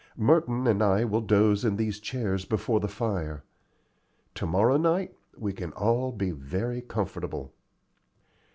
Merton and I will doze in these chairs before the fire. To morrow night we can all be very comfortable."